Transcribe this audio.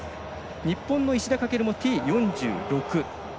日本の石田駆もＴ４６。